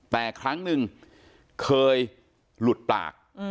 แต่ครั้งหนึ่งเคยหลุดปาก